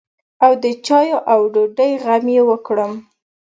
او د چايو او ډوډۍ غم يې وکړم.